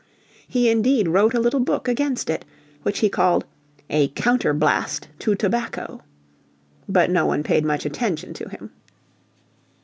He indeed wrote a little book against it, which he called "A Counterblaste to Tobacco." But no one paid much attention to him.